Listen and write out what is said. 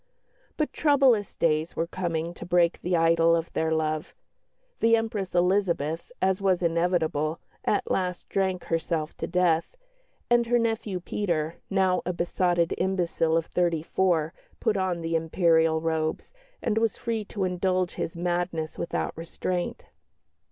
But troublous days were coming to break the idyll of their love. The Empress Elizabeth, as was inevitable, at last drank herself to death, and her nephew Peter, now a besotted imbecile of thirty four, put on the Imperial robes, and was free to indulge his madness without restraint.